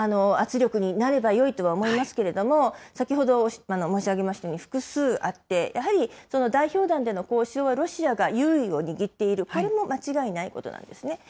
圧力になればよいとは思いますけれども、先ほど申し上げましたように、複数あって、やはりその代表団での交渉はロシアが優位を握っている、これも間違いないことなんですね。